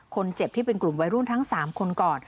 ที่เป็นกลุ่มวัยรุ่นทั้ง๓คนก่อน